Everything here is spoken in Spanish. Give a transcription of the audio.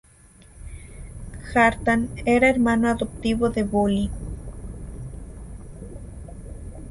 Kjartan era hermano adoptivo de Bolli.